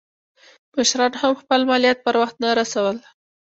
مشرانو هم خپل مالیات پر وخت نه رسول.